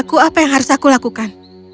katakan padaku apa yang harus aku lakukan